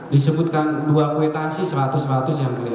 disebutkan dua kuitansi seratus yang mulia